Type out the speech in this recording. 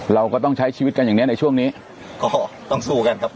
เราก็ต้องใช้ชีวิตกันอย่างเนี้ยในช่วงนี้ก็ต้องสู้กันครับ